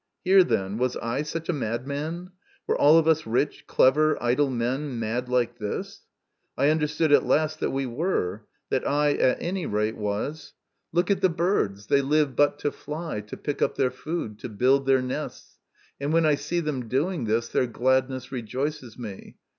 Here, then, was I such a madman ? Were all of us rich, clever, idle men mad like this ? I understood at last that we were ; that I, at any rate, was. Look MY CONFESSION. 105 at the birds ; they live but to fly, to pick up their food, to build their nests, and when I see them doing this their gladness rejoices me.